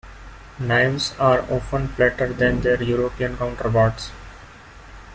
Knives are often flatter than their European counterparts.